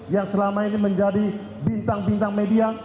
yang selama ini menjadi bintang bintang media